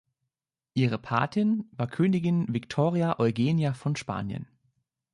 Ihre Patin war Königin Victoria Eugenia von Spanien.